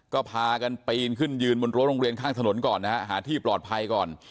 ก็พากันปีนขึ้นยืนบนรั้วโรงเรียนข้างถนนก่อนนะฮะหาที่ปลอดภัยก่อน